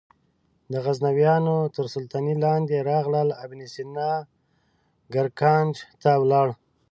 د غزنویانو تر سلطې لاندې راغلل ابن سینا ګرګانج ته ولاړ.